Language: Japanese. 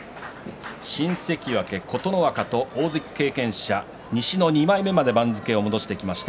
新関脇琴ノ若と大関経験者、西の２枚目まで番付を戻してきました